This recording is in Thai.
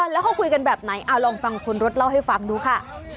แล้วเขาคุยกันแบบไหนเอาลองฟังคุณรถเล่าให้ฟังดูค่ะ